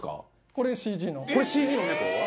これＣＧの猫？